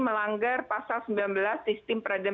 melanggar pasal sembilan belas sistem peradilan